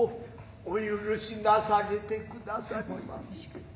お赦しなされて下さりませ。